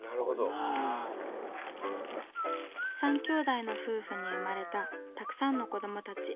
３兄弟の夫婦に生まれたたくさんの子どもたち。